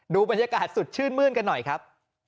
บรรยากาศสดชื่นมื้นกันหน่อยครับ